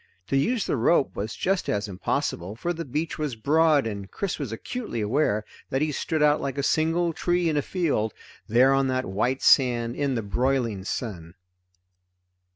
To use the rope was just as impossible, for the beach was broad and Chris was acutely aware that he stood out like a single tree in a field, there on the white sand in the broiling sun.